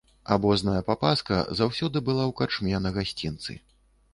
Абозная папаска заўсёды была ў карчме на гасцінцы.